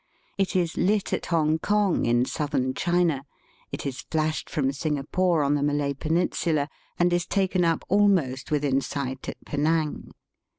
It is lit at Hongkong, in Southern China. It is flashed from Singa pore, on the Malay peninsula, and is taken up ^almost within sight at Penang.